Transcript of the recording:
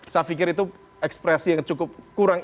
saya pikir itu ekspresi yang cukup kurang